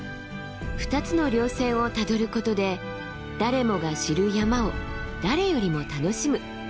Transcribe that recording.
２つの稜線をたどることで誰もが知る山を誰よりも楽しむ。